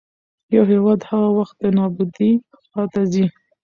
يـو هـيواد هـغه وخـت د نـابـودۍ خـواتـه ځـي